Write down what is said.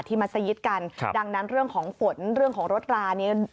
มัศยิตกันครับดังนั้นเรื่องของฝนเรื่องของรถรานี้